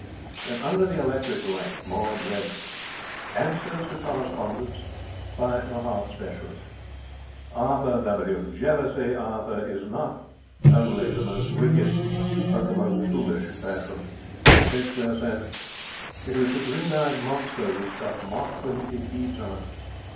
And under the electric light Maud read ANSWERS TO CORRESPONDENTS By the Heart Specialist Arthur W. Jealousy, Arthur W., is not only the most wicked, but the most foolish of passions. Shakespeare says: _It is the green eyed monster, which doth mock The meat it feeds on.